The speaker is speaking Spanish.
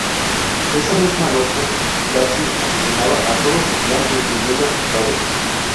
Esa misma noche, Itachi asesinaba a todo su clan, incluyendo a sus padres.